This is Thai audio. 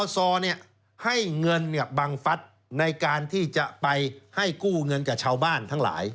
ให้เงินบังฟัดในการที่จะไปให้กู้เงินกับชาวบ้านทั้งหลาย